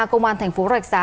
công an tp hcm